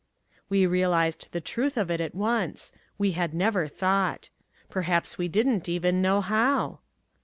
We realized the truth of it at once. We had never thought. Perhaps we didn't even know how.